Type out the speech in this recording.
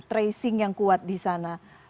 tracing yang kuat di sana